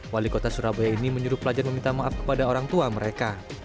wali kota surabaya ini menyuruh pelajar meminta maaf kepada orang tua mereka